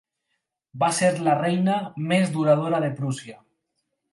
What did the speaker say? Va ser la reina més duradora de Prússia.